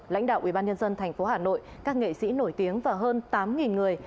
lãnh đạo ủy ban nhân dân thành phố hà nội các nghệ sĩ nổi tiếng và hơn tám người